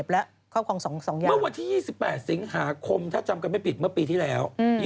เมื่อวันที่๒๘สิงหาคมถ้าจำกันไม่ผิดเมื่อปีที่แล้ว